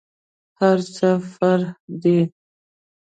هرڅه فرع دي.